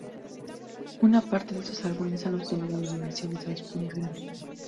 Una parte de estos álbumes han obtenido nominaciones a los Premios Grammy.